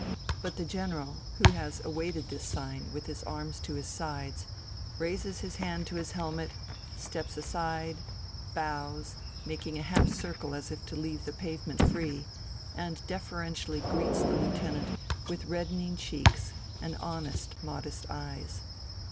But the general, who has awaited this sign with his arms to his sides, raises his hand to his helmet, steps aside, bows, making a half circle as if to leave the pavement free, and deferentially greets the lieutenant with reddening cheeks and honest modest eyes.